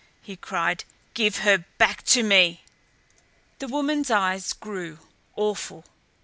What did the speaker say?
he cried. "Give her back to me!" The woman's eyes grew awful.